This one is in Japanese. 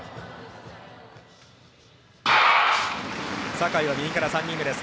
坂井は右から３人目です。